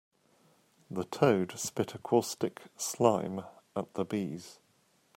The toad spit a caustic slime at the bees.